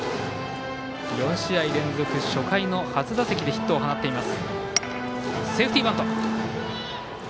４試合連続、初回の初打席でヒットを放っています。